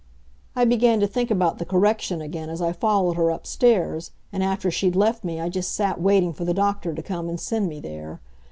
I began to think about the Correction again as I followed her upstairs, and after she'd left me I just sat waiting for the doctor to come and send me there.